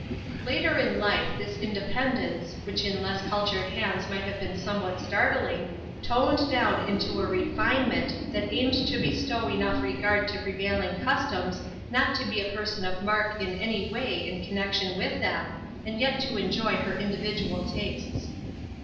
Later in life this independence, which in less cultured hands might have been somewhat start ling, toned down into a refinement that aimed to bestow enough regard to prevailing customs not to be a person of mark in any way in connection with them, and yet to enjoy her individual tastes.